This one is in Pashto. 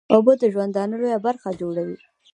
اوبه د ژوند لویه برخه جوړوي